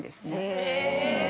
え！